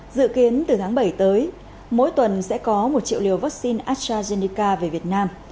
dự kiến từ tháng bảy tới mỗi tuần sẽ có một triệu liều vaccine astrazeneca về việt nam